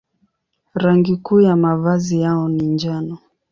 Rangi kuu ya mavazi yao ni njano.